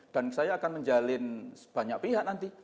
dan saya akan menjalin sebanyak pihak nanti